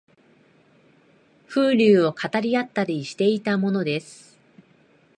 風流を語り合ったりしていたものです